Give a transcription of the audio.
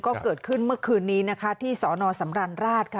ก็เกิดขึ้นเมื่อคืนนี้ที่สอนอสำรรรณราช